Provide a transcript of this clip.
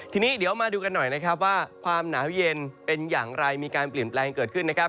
ทีนี้เดี๋ยวมาดูกันหน่อยนะครับว่าความหนาวเย็นเป็นอย่างไรมีการเปลี่ยนแปลงเกิดขึ้นนะครับ